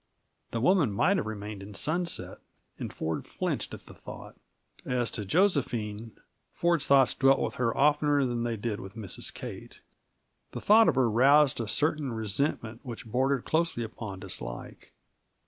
The woman might have remained in Sunset and Ford flinched at the thought. As to Josephine, Ford's thoughts dwelt with her oftener than they did with Mrs. Kate. The thought of her roused a certain resentment which bordered closely upon dislike.